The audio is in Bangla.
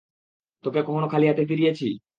তোকে কখনও খালি হাতে ফিরিয়েছি?